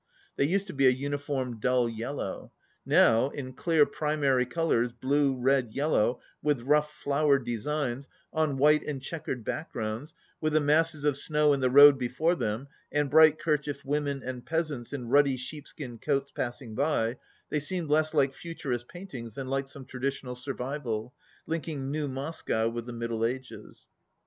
They used to be a uniform dull yellow. Now, in clear primaiy colours, blue, red, yellow, with rough flower designs, on white and chequered back grounds, with the masses of snow in the road before them, and bright ker chiefed women and peasants in ruddy sheepskin coats passing by, they seemed less like futurist paintings than like some traditional survival, link ing new Moscow with the Middle Ages.